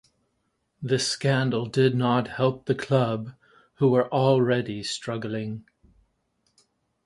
This scandal did not help the club who were already struggling.